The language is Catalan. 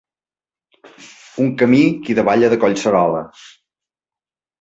Un camí que davalla de Collserola.